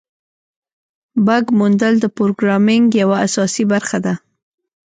بګ موندل د پروګرامینګ یوه اساسي برخه ده.